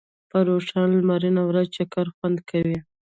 په روښانه لمرینه ورځ چکر خوند کوي.